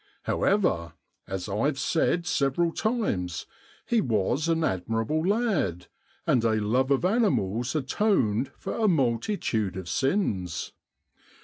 However, as I've said several times, he was an admirable lad, and a love of animals atoned for a multitude of sins.